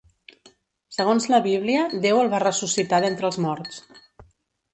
Segons la Bíblia, Déu el va ressuscitar d'entre els morts.